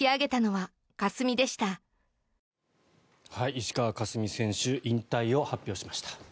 石川佳純選手引退を発表しました。